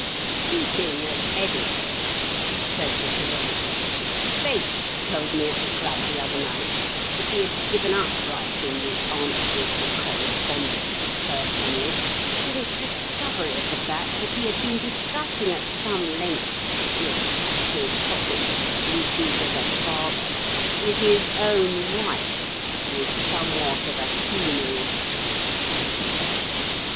"Speaking of editors," said the Philosopher, "Bates told me at the club the other night that he had given up writing the 'Answers to Correspondents' personally, since discovery of the fact that he had been discussing at some length the attractive topic, 'Duties of a Father,' with his own wife, who is somewhat of a humorist."